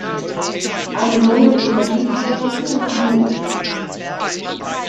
Eine neue Energiequelle tut not.